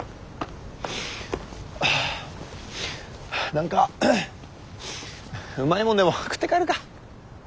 何かうまいもんでも食って帰るか。